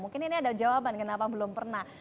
mungkin ini ada jawaban kenapa belum pernah